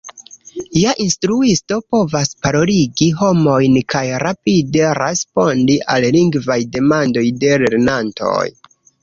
Ja instruisto povas paroligi homojn kaj rapide respondi al lingvaj demandoj de lernantoj.